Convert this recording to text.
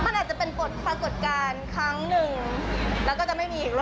มันอาจจะเป็นปรากฏการณ์ครั้งหนึ่งแล้วก็จะไม่มีอีก